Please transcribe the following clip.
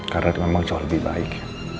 karena itu memang jauh lebih baik